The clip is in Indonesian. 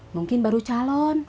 mungkin baru calon